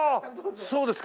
そうですか。